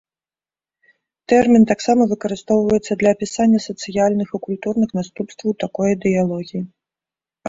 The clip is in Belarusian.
Тэрмін таксама выкарыстоўваецца для апісання сацыяльных і культурных наступстваў такой ідэалогіі.